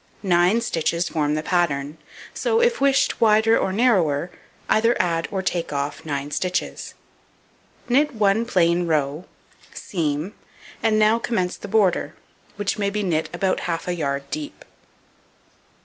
Nine stitches form the pattern; so, if wished wider or narrower, either add or take off 9 stitches. Knit 1 plain row, seam and now commence the border, which may be knit about half a yard deep.